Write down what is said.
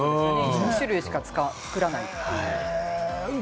２種類しか作らないって。